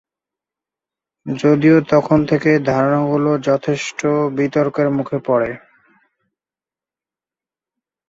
যদিও তখন থেকেই ধারণাগুলো যথেষ্ট বিতর্কের মুখে পড়ে।